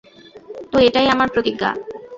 তো, এটাই আমার প্রতিজ্ঞা।